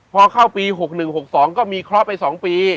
พอเข้าปี๖๑๖๒ก็มีคลอสไป๒ปี